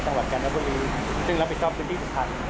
ในสหรัฐการณ์บุรีซึ่งรับผิดชอบพื้นที่สุดท้าย